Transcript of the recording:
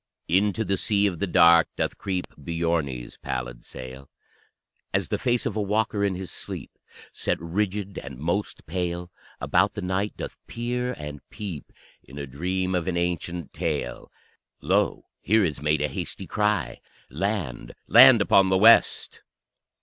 Into the Sea of the Dark doth creep Björne's pallid sail, As the face of a walker in his sleep, Set rigid and most pale, About the night doth peer and peep In a dream of an ancient tale. Lo, here is made a hasty cry: _Land, land, upon the west!